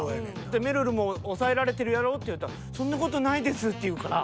「めるるも押さえられてるやろ？」って言うたら「そんな事ないです」って言うから。